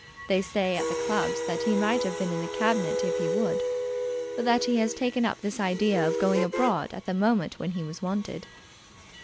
They say at the clubs that he might have been in the Cabinet if he would, but that he has taken up this idea of going abroad at the moment when he was wanted."